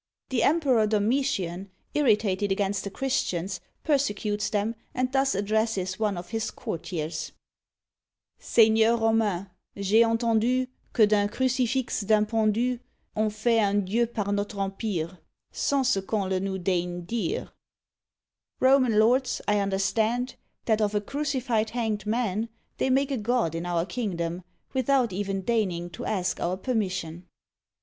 The emperor Domitian, irritated against the Christians, persecutes them, and thus addresses one of his courtiers: Seigneurs Romains, j'ai entendu Que d'un crucifix d'un pendu, On fait un Dieu par notre empire, Sans ce qu'on le nous daigne dire. Roman lords, I understand That of a crucified hanged man They make a God in our kingdom, Without even deigning to ask our permission.